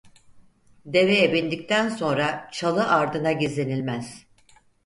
Deveye bindikten sonra çalı ardına gizlenilmez.